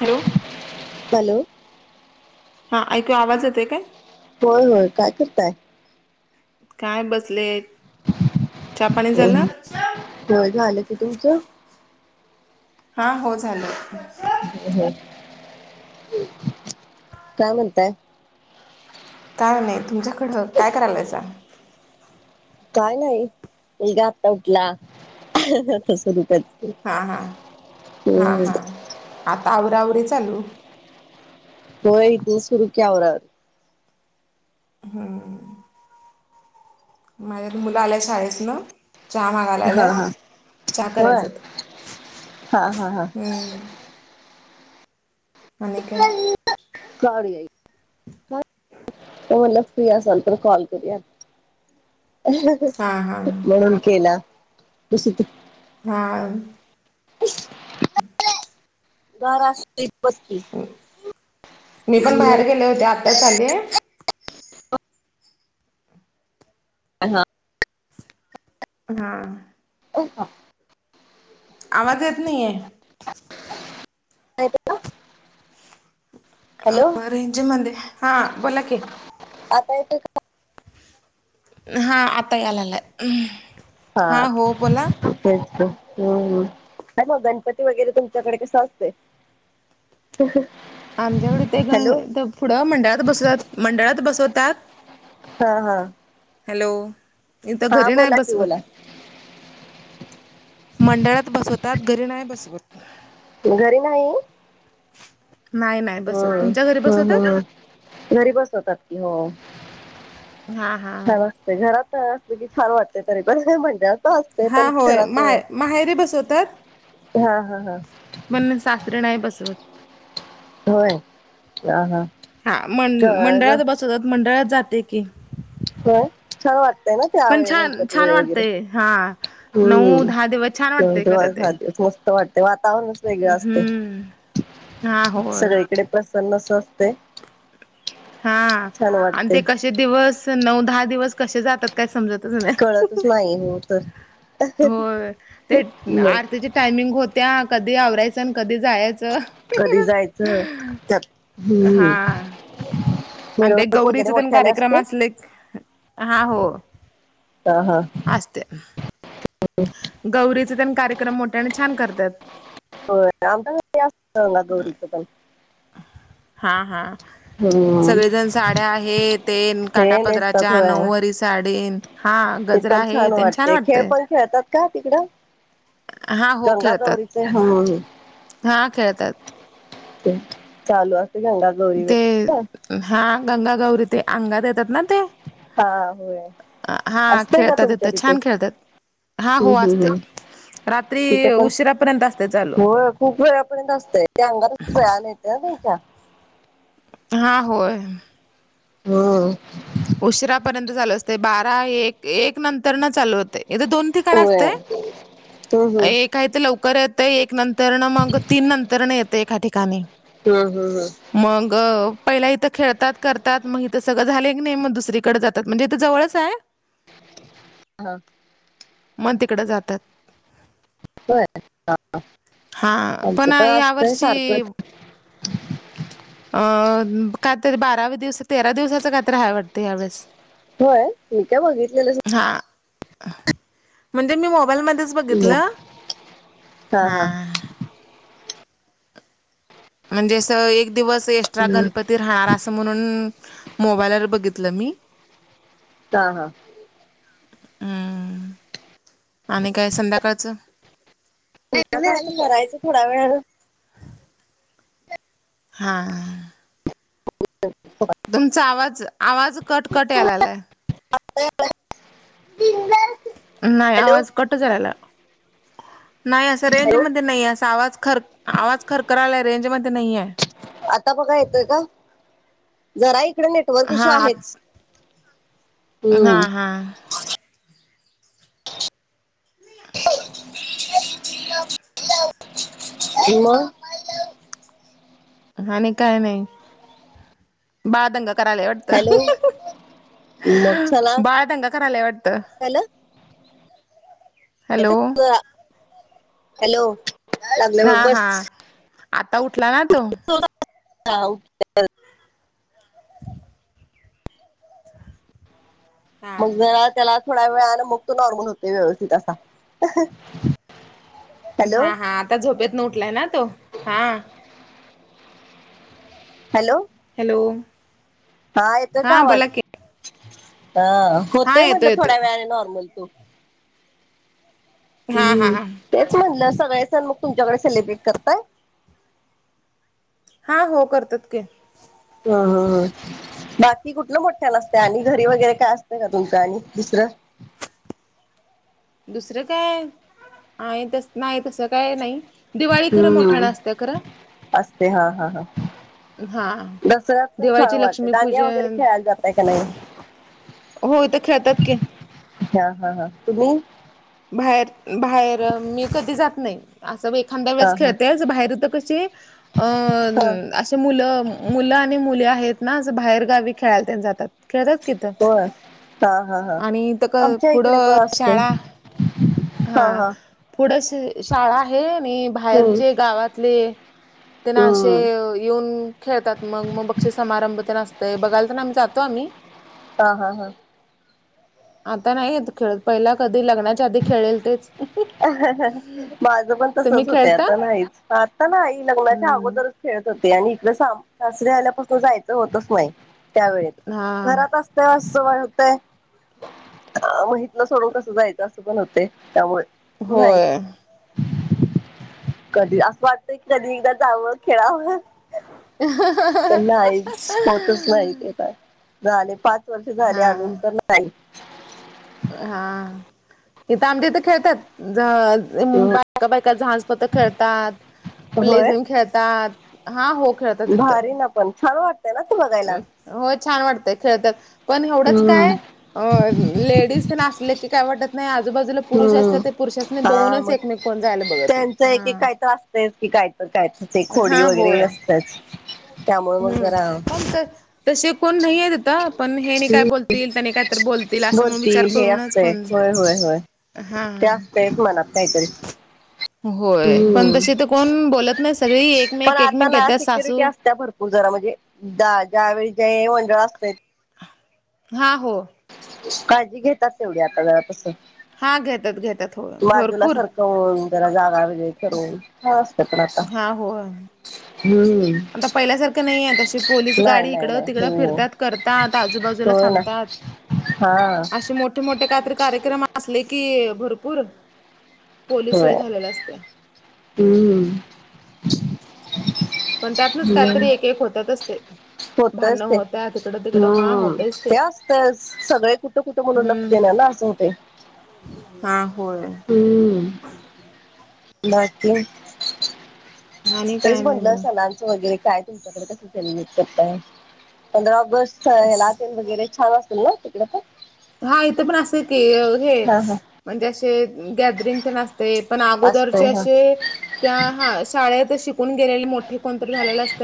Hello hello हा ऐकू आवाज येते काय होय होय काय करताय काय बसले पाणी हो झालं झालं क तुमचं हा हो झालं ह ह काय म्हणताय काय नाही तुमच्याकडं काय करायला आहेचा काय नाही मुलगा आता उठला आता सुरू कर हां हां हा हां आता आवरावरी चालू हो इथे सुरू क्या हम्म माझ्या मुलं आल्या शाळेस ना चहा हा मागालायला हा चहा करायच होय हा हा हा हम्म अने काय डीई त म्हणला फ्रीया असल तर कॉल करू हा हा म्हणून केला कस हा घार बस्ती झाले हां हा. हो. आम्हा येत नाही आहे. नाही ते का. [inaudible] अ रेंज मध्ये हा बोला की. आता इथ. हा आता यालाला हा हो बोला. तेच मग गणपती वगैरे तुमच्याकडे कसं असत. ह ह. आमच्याकड ते पुुढं मंडळात बसवतात मंडळात बसवत. हा हा. हॅलो इथ हा घरी नाही बोला की बसवत. बोला मंडळात बसवतात घरी नाही बसवत घरी नाही. नाही नाही बसवत वय तुमच्या घरी ह बसवतात घरी बसवतात की हो. हा हा. ते घरात अस की छान वाटते तरी पण म्हणतात. पाचते हा पण होय शरा माहे माहेरी बसवतात हा हा हा. मण सासरी नाही बसवत. होय हा हा हा मं ग ग मंडळात बसवतात मंडळात जाते की. ह वाट. पण त्यावेळी छान गणपती छान वळे वगैरे वाटतय हा नऊ हम्म दहा दिवस छान वाटतय खरं ते मस्त वाटत. ते वातावरणच वेगळं असते हम्म हा होय सगळीकडे प्रसन्न अस असते. हा छान आणि वाटते ते कसे दिवस नऊ दहा दिवस कसे जातात काय समजतच नाही. तू स नाहीई होथ. हो ते आरती्याच्या टायमिंग होत्या कधी आवरायसन कधी जायच. कधी जायचं [unintelligible] त्यात हम्म. आणि ते मिरवणूक वगैरे गौरीच पण मोठ्याने कार्यक्रम असते असले हा हो. हो हो. असस्ते. गौरीचे त्यां कार्यक्रम मोठ्या आणि छान करतात. हो आमा गौरीचं पण. हा हा. हम्म सगळेजण साड्या आहेत ते हे नेसतात काटापदराच्या होय नऊवरारी साडी. हा ते गजरा पण आहे त्यांनी छान वाटते खेळ वाटतंय. पण खेळतात का तिकडं हा हो गंगा खेळतात गौरीचे. हा खेळतात. ते चालू असते चंगाला. ते हा गंगा गौरी ते अंगात येतात ना ते. हा होय [inaudible] अ हा असतय का खेळतात यथ तुमच्या तिथे छान खेळतात. ऋ हा हम्म हो हम्म असते. हम्म तिथे पण उशिरापर्यंत असते चालू हो खूप वेळापर्यंत असतय ते अंगारच वेळाला. तच्या. [unintelligible] हा होय. हो! उशरापर्यंत चालू असते बारा एक एक नंतर न चालू होतय. इथ दोन ठिकाणी असत होय हम्म हम्म एक काही ते लवकर येतं एक नंतरन मग तीन नंतरन येतं एका ठिकाणी. हम्म हम्म हम्म मग पहिला इथं खेळतात करतात मग इथं सगळं झालय नाही मग दुसरीकडें जात म्हणजे इथं जवळच आहे. हा. मग तिकडं जातात. होय. हां ह. हा पण या वर्षी. [inaudible] अ काहीतरी बाराव दिवस तेरा दिवसाचं काही तर हाय वाटतं यावेेळेस. होय मी काय बघितलेलच हां म्हणजे मी मोबाईलमध्येच बघितलं. हा हा हां. म्हणजे आस एक दिवस एक्स्ट्रा हम्म गणपती राहणार अस म्हणून मोबाईलवर बघितलं मी. हा हा! हम्म आणि काय संध्याकाळचं करायचं आता थोडा वेळन. हा! [inaudible] तुमचा आवाज आवाज कटकट यायला लागलाय. आता यायलाय? नाही आवाज कट यायलाय. नाही असं हॅलो रेंजमध्ये नाही आहे असं आवाज खर आवाज खरखराला आहे रेंजमध्ये नाही आहे. आता बघा येतोय का जरा इकडे नेट वर्क इशू हा आहेच. हा हा मग आणि काय नाही बाळ दंगा करायला वाटतं हॅलो! मग चला बाळ दंगा करायलाय वाटतं हॅलो! हॅलो लागले हा बघ हा बस आता उठला ना तो? हा उठला. हा मग जरा त्याला थोडा वेळ मग तो नॉर्मल होते व्यवस्थित असा. हॅलो हा हा आता झोपेतून उठलाय ना तो हा. हॅलो! हॅलो! हा येतोय का आवाज? बोला की अ हा होतोय येतोय म्हटलं थोड्या येतोय वेळाने नॉर्मल. तो हा हा हम् तेच म्हणलं सगळे सण मग तुमच्याकडे सेलिब्रेट करताय? हा हो करतात की. हा! बाकी कुठलं मोठ्यान आसतय आणि घरी वगैरे काय असतं का तुमच्या आणि दुसर? दुसरं काय आहे तस, नाही तसं काय नाही. दिवाळी खरं हम्म मोठ्यानं असते खरं असतय हा हा हा. हा दसऱ्यात पण छान दिवाळीचे वाटते दांडि वगैरे लक्ष्मीपूजन खेळाला जातय का नाही? हो हित खेळतात की. हा हा हा तुम्ही? बाहेर बाहेर मी कधी जात नाही. असं एखाद्या हा वेळेस हा खेळते बाहेर हित कसे अ हा असे मुलं मुलं आणि मुली आहेत ना बाहेरगावी खेळायला जातात खेळतात किथं हो हा हा हा आणि त आमच्या इकडे पण पुढं असत शाळा हा पुढ शाळा आहे आणि हम्म बाहेरचे गावातले त्यांना असे हम्म येऊन खेळतात मग मग बक्षी समारंभ त्यांना असतय बघायला तर आम्ही जातो आम्ही. [inaudible] हा हा हा. आता नाही खेळत पहिला कधी लग्नाच्या आधी खेळेल तेच. ह हा ह माझं पण तुम्ही तसच होत खेळता आता नाही आता नाही लग्नाच्या हम्म अगोदर खेळत होते आणि इकडे सासरील्यापास जायच होतच नाही त्या वेत हा घरात अस वात म्हहितलं सोडून कस जायचं पण होते त्यामुळे होय नाहीच कधी असं वाटतं की कधी एकदा जावं खेळावं प नाही होतच नाही ते का राले पा वर्ष झाले हा अजून तर नाही हा इथ आमच्याथ खेळतात बायका बायका झांजपत खेळतात होय प्लेझेम खेळतात हा हो खेळत भारी ना पण छान वाटत हो छान वाटतय खेळतात पण एवढंच हम्म काय अ लेडीज नासले की काय वाटत नाही आजूबाजूला पुरुष हम्म असतात ते पुरुष अस हा मग त्यांचं एक एक काय तर हा असत की कायत कायचं ते खोडी हा वगैरे होय त्यामुळे मग जरा हो तर तसे कोण नाहीय होेत पण हे नाही काय बोलतील त्यानी कायत बोलतील असं मग विचार करूनच ते कोण होय हो होय ते हा असतच मनात काहीतरी होय पण हम् तसे तर कोण बोलत नाही सगळी पण एकमेक एकमेक आता ना घेतात सिक्युरिटी सासू असत भरपूर गजरा म्हणजे द ज्यावेेळी जे मंडळ असतात हा हो काळजी घेतात तेवढी आता घरापसून हां घेतात घेतात हो भरपूर जान जरा जागा वज करवून असत तर आता हा होय हम्म आता पहिल्याारं नाही अशी पोलीस नाही गाडी नाही इकडं तिकडं नाही हो फिरतात करतात आजूबाजूला होय ना थांबतात हा असे मोठे मोठे काहीतरी कार्यक्रम असले कि भरपूर पोलीसय होय झालेल्या असत हम्म पण त्यातनच काहीतरी एक एक होत होतातचते भ होतच भांडण ते होत हम्म ते असत सगळे कुठं कुठं म्हणून हम्म नगते ना ना असं हो ते हा होय हम्म आणि तेच काय नाही म्हटलं ब सलांचं वगैरे काय तम सेलिब्रेट कर पंधरा ऑगस्ट ला वगैरे छान असेल. ना कता [unintelligible] हा इथं पण असं क हे हा म्हणजे असे गॅदरिंग तर नते ते पण असतय अगोदरचे हा असे त्या हा शाळेत शिकून गेलेले मोठे कोणतरी झालेले असत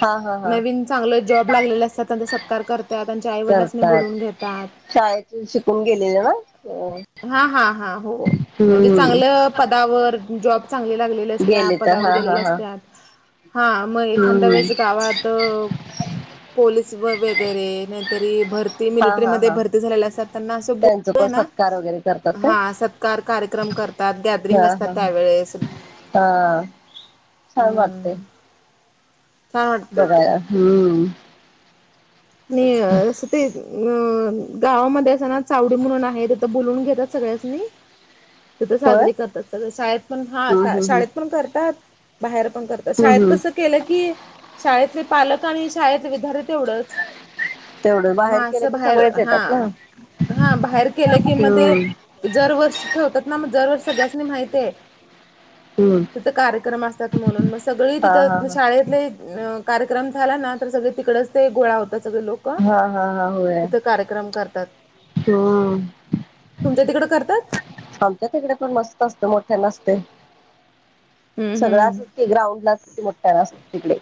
हा हा हा नवीन चांगले जॉब लागलेले असतात त्यांचा सत्कार करतात त्यांच्या आई वडिलांस बोलून घेतात शाळेचे शिकून गेले हा हा हा हो म्हणजे हम्म चांगलं पदावर जॉब चांगले लागलेले असत्या गेले तर पदावर हा हा गेलेल्या हा असत्या हा मग एखाद्या हम्म वेळेस गावात पोलीस व वगैरे नाहीतरी भरती हा हा मिलिटरीमध्ये हा भरती ब त्यांच पण सत्कार वगैरे करतात का ह स कार्य्रम गॅदरिंग हा असतात हा त्यावेळे हा छान वाटते छान वाटतंय ते बघायला हम्म न ते अ गावामध्ये असं ना चावडी म्हणून आहे तेथ बोलवून घेतात सगळ्यांसनी [unintelligible] तिथ होय साजरी करतात. सग शाळेत पण हम्म हा हम्म हम्म शाळेत पण करतात बाहेर पण करत हम्म शाळेत हम्म कसं केलं की शाळेतले पालक आणि शाळेतले विद्यार्थी तेवढंच तेवढं बाहेर केलं मासं की बाहेर सगळेच हा येतात ना हा बाहेर केलं कि म ते हम्म जर वर्ष ठेवतात ना मग जर वर्ष सगळ्याचनी माहिते हम्म कार्यक्रम असतात. म्हणून मग सगळी हा तिथ हा शाळेत कार्यक्रम झाला ना तर सगळे तिकडच ते गोळा होतात. सगळे लोक हा हा हा हा होय तिथं कार्यक्रम करतात हम्म तुमच्या तिकड करतात? आमच्या तिकडे पण मस्त असते मोठ्या नसते. हम्म सगळं हम्म असच क ग्राउंड लाच मोठ्या तिकडे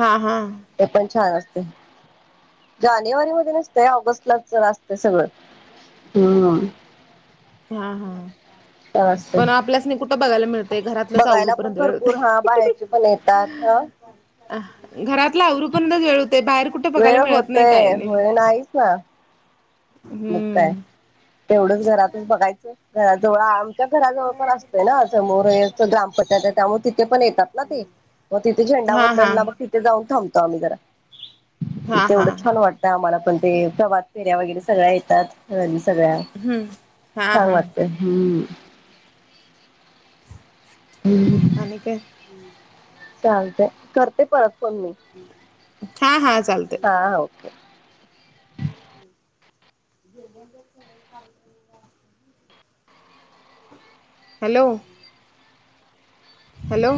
हा हा ते पण छान असते जानेवारी मध्ये नसतय ऑगस्ट लाच असत सगळं हम्म हा हा छान असतय पण आपल्यास नाही कुठं बघायला मिळत. बघायला पण भरपूर हा बाहेरचे पण येतात. हा घरातलं आवर पण वेळ होते. बाहेर कुठे बघायला वेळ मिळत नाही काही होतय नाही. होय नाहीच ना मग काय हम्म तेवढंच घरातच बघायचं घराजवळ आमच्या घराजवळ पण असतंय. ना समोर ग्रामपंचायत आहे. त्यामुळे तिथे पण येतात ना ते मग तिथे झेंडा हा हा वंदनला बघ तिथे जाऊन थांबतो. आम्ही जरा हा इथे हा एवढं छान वाटत आम्हाला पण ते प्रभात फेऱ्या वगैरे सगळ्या येतात. सगळ्या हम्म हा छान हा वाटते. हम्म हम् आणि का चालतंय करते. परत पण मी हा हा चालत हा ओके जे का हॅलो हॅलो